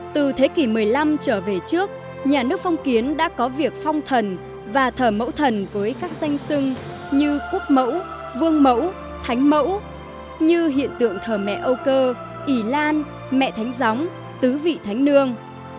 từ thế kỷ một mươi năm trở về trước nhà nước phong kiến đã có việc phong thần và thờ mẫu thần với các danh sưng như quốc mẫu vương mẫu thánh mẫu như hiện tượng thờ mẹ âu cơ ỉ lan mẹ thánh gióng tứ vị thánh nương